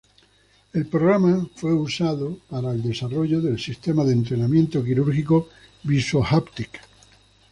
El programa fue usado para el desarrollo de el sistema de entrenamiento quirúrgico visuo-haptic.